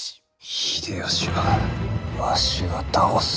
秀吉はわしが倒す。